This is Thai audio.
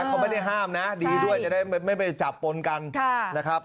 เขาไม่ได้ห้ามนะดีด้วยจะได้ไม่ไปจับปนกันนะครับ